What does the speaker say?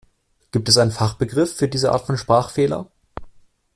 Gibt es einen Fachbegriff für diese Art von Sprachfehler?